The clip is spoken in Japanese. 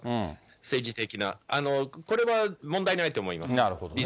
政治的な、これは問題ないと思います。